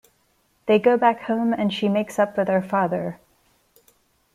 They go back home and she makes up with her father.